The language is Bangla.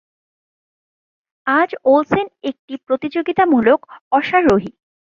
আজ, ওলসেন একটি প্রতিযোগিতামূলক অশ্বারোহী।